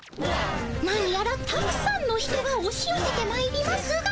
なにやらたくさんの人がおしよせてまいりますが。